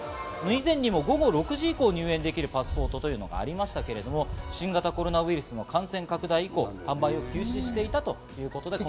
以前にも午後６時以降に入園できるパスポートがありましたけれども、新型コロナウイルスの感染拡大以降、販売を休止していたということです。